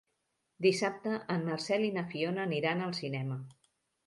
Dissabte en Marcel i na Fiona aniran al cinema.